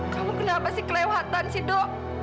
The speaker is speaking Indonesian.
kamu kenapa sih kelewatan sih dok